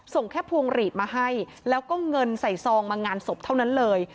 แค่พวงหลีดมาให้แล้วก็เงินใส่ซองมางานศพเท่านั้นเลย